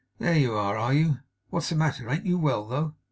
'There you are, are you? What's the matter? Ain't you well, though?